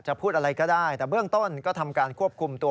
พูดอะไรก็ได้แต่เบื้องต้นก็ทำการควบคุมตัว